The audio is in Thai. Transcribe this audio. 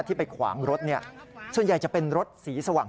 ไปขวางรถส่วนใหญ่จะเป็นรถสีสว่าง